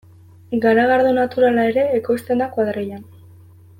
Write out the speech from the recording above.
Garagardo naturala ere ekoizten da kuadrillan.